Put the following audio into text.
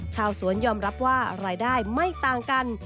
ชาวสวนยอมรับว่ารายได้ไม่ต่างกัน